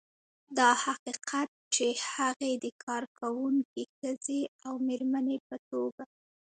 دا حقیقت چې هغې د کارکونکې ښځې او مېرمنې په توګه